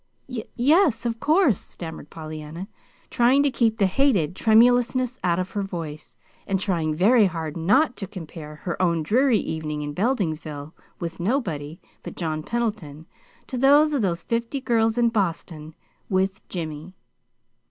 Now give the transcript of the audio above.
"Y yes, of course," stammered Pollyanna, trying to keep the hated tremulousness out of her voice, and trying very hard NOT to compare her own dreary evening in Beldingsville with nobody but John Pendleton to that of those fifty girls in Boston with Jimmy.